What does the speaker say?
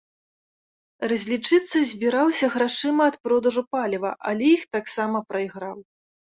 Разлічыцца збіраўся грашыма ад продажу паліва, але іх таксама прайграў.